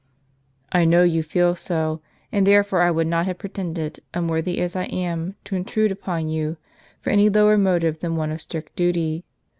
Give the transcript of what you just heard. " I know you feel so. And therefore I would not have pretended, unworthy as I am, to intrude upon you for any lower motive than one of strict duty.